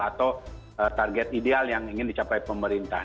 atau target ideal yang ingin dicapai pemerintah